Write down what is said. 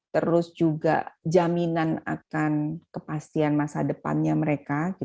terus juga jaminan akan kepastian masa depannya mereka